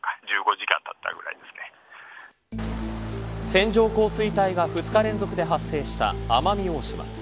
線状降水帯が２日連続で発生した奄美大島。